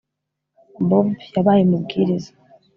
bob yabaye umubwiriza